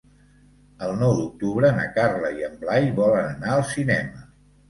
El nou d'octubre na Carla i en Blai volen anar al cinema.